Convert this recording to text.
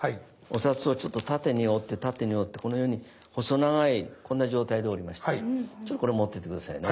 お札はちょっと縦に折って縦に折ってこのように細長いこんな状態で折りましてちょっとこれ持ってて下さいね。